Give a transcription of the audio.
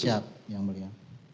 siap yang mulia